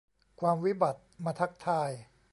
ความวิบัติมาทักทาย